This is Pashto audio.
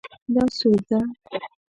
دا سور ده